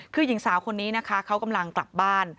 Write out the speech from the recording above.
คือหญิงสาวคนนี้นะคะเขากำลังกลับบ้าน